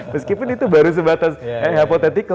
meskipun itu baru sebatas eh apotetikal